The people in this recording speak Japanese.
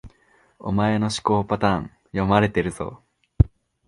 お前の思考パターン、読まれてるぞ